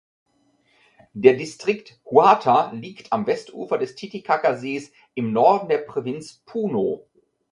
Der Distrikt Huata liegt am Westufer des Titicacasees im Norden der Provinz Puno.